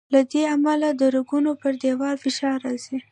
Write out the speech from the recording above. له دې امله د رګونو پر دیوال فشار راځي.